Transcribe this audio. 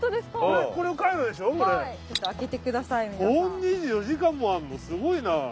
すごいな。